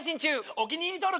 お気に入り登録。